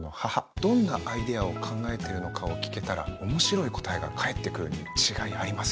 どんなアイデアを考えてるのかを聞けたら面白い答えが返ってくるに違いありません。